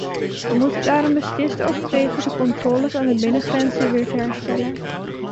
We moeten daarom beslist overwegen de controles aan de binnengrenzen weer te herstellen.